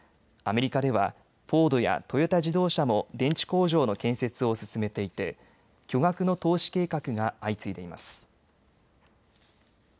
アメリカではフォードやトヨタ自動車も電池工場の建設を進めていて巨額の投資計画が相次いでいます。